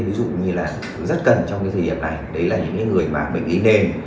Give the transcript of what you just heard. ví dụ như là rất cần trong cái thời điểm này đấy là những người mà bệnh y nền